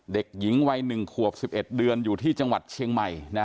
เด็กหญิงวัย๑ขวบ๑๑เดือนอยู่ที่จังหวัดเชียงใหม่